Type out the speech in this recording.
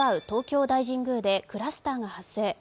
東京大神宮でクラスターが発生。